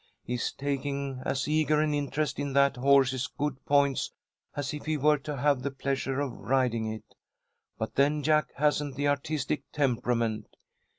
He's taking as eager an interest in that horse's good points as if he were to have the pleasure of riding it. But then Jack hasn't the artistic temperament.